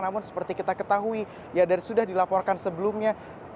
namun seperti kita ketahui ya dari sudah dilaporkan sebelumnya